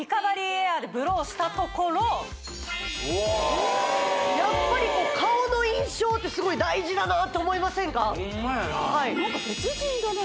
エアーでブローしたところやっぱり顔の印象ってすごい大事だなって思いませんかほんまやな別人だね